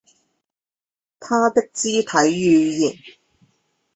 他的肢體語言